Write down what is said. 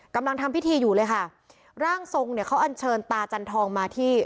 กำลังทำพิธีอยู่เลยค่ะร่างทรงเขาอันเชิญตาจันทองมาที่